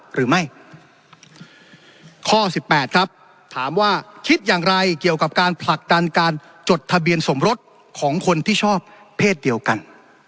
หรือไม่ข้อสิบแปดครับถามว่าคิดอย่างไรเกี่ยวกับการผลักดันการจดทะเบียนสมรสของคนที่ชอบเพศเดียวกัน